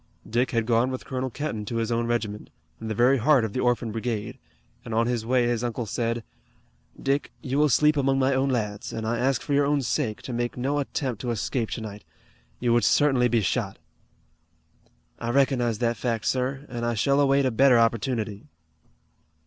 Dick had gone with Colonel Kenton to his own regiment, in the very heart of the Orphan Brigade, and on his way his uncle said: "Dick, you will sleep among my own lads, and I ask you for your own sake to make no attempt to escape tonight. You would certainly be shot." "I recognize that fact, sir, and I shall await a better opportunity."